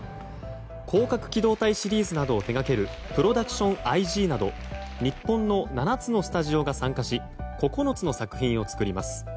「攻殻機動隊」シリーズを手掛けるプロダクション・アイジーなど日本の７つのスタジオが参加し９つの作品を作ります。